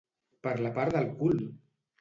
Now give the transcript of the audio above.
Per la part del cul!